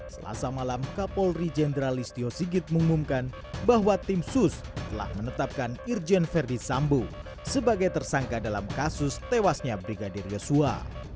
selasa malam kapolri jenderal listio sigit mengumumkan bahwa tim sus telah menetapkan irjen verdi sambo sebagai tersangka dalam kasus tewasnya brigadir yosua